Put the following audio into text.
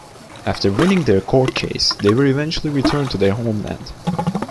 After winning their court case, they were eventually returned to their homeland.